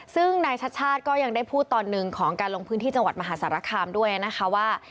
ซึ่งนายชัดชาติก็ยังได้พูดตอนหนึ่งของการลงพื้นที่จังหวัดมหาสารคามด้วยนะคะว่า